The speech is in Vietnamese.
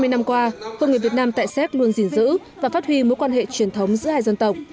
hai mươi năm qua hội người việt nam tại séc luôn gìn giữ và phát huy mối quan hệ truyền thống giữa hai dân tộc